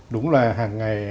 đúng là hàng ngày